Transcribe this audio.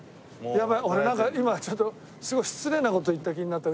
やばい俺なんか今ちょっとすごい失礼な事言った気になった「うちの娘と一緒だ」